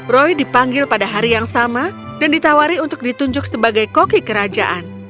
roy dipanggil pada hari yang sama dan ditawari untuk ditunjuk sebagai koki kerajaan